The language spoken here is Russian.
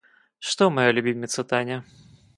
Что моя любимица Таня?